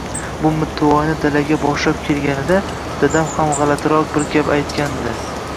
– Bu Mittivoyni dalaga boshlab kelganida, dadam ham g‘alatiroq bir gap aytganidi…